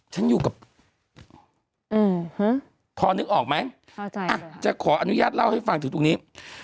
ฉันอยู่กับพอนึกออกไหมพอใจอ่ะจะขออนุญาตเล่าให้ฟังถึงตรงนี้